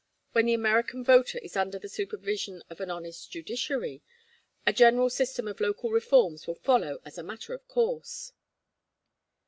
When the American voter is under the supervision of an honest judiciary, a general system of local reforms will follow as a matter of course."